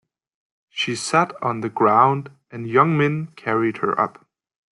She sat on the ground, and Young-min carried her up.